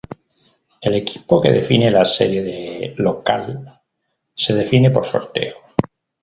El equipo que define la serie de local se define por sorteo.